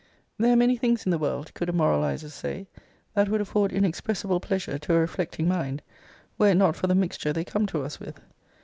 There are many things in the world, could a moralizer say, that would afford inexpressible pleasure to a reflecting mind, were it not for the mixture they come to us with.